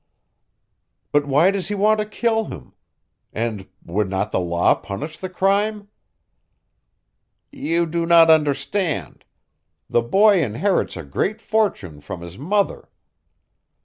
"But why does he want to kill him? And would not the law punish the crime?" "You do not understand. The boy inherits a great fortune from his mother.